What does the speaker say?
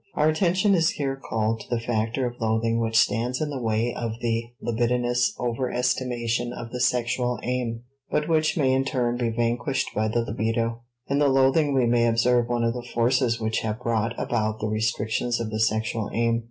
Our attention is here called to the factor of loathing which stands in the way of the libidinous overestimation of the sexual aim, but which may in turn be vanquished by the libido. In the loathing we may observe one of the forces which have brought about the restrictions of the sexual aim.